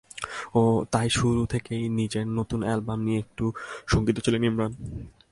তাই শুরু থেকেই নিজের নতুন অ্যালবাম নিয়ে একটু শঙ্কিত ছিলেন ইমরান।